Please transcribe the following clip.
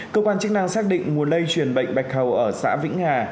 cơ quan chức năng xác định nguồn lây truyền bệnh bạch hầu ở xã vĩnh hà